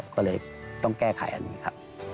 ก็เลยต้องแก้ไขอันนี้ครับ